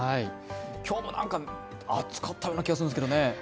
今日も暑かったような気がするんですけどね。